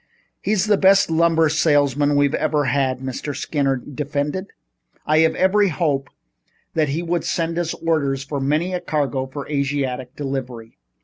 "He's the best lumber salesman we've ever had," Mr. Skinner defended. "I had every hope that he would send us orders for many a cargo for Asiatic delivery."